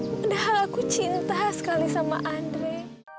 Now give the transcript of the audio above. mudah aku cinta sekali sama andre